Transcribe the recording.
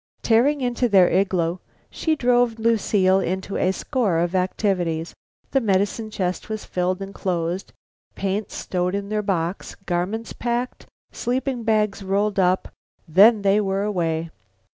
Tearing into their igloo she drove Lucile into a score of activities. The medicine chest was filled and closed, paints stowed in their box, garments packed, sleeping bags rolled up. Then they were away.